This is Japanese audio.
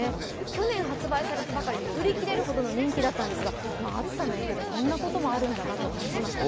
去年発売されたばかりで売り切れるほどの人気だったんですが、暑さの影響でこんなこともあるんだなと感じました。